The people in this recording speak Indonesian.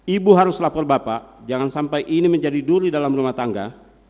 ibu harus lapor bapak jangan sampai ini menjadi duri dalam rumah tangga